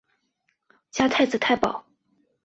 加太子太保。